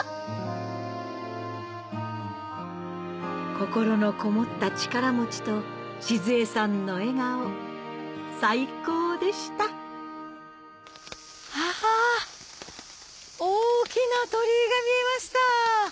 心のこもった力餅と静恵さんの笑顔最高でしたあ大きな鳥居が見えました。